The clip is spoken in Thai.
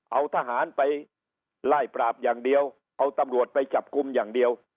เอาทหารไปไล่ปราบอย่างเดียวเอาตำรวจไปจับกลุ่มอย่างเดียว